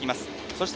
そして